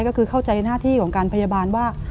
ก็คือเข้าใจหน้าที่ของการพยาบาลว่า